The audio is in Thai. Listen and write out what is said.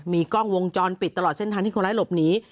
มีกล้องวงจรปิดตลอดเส้นทางที่คนร้ายหลบหนี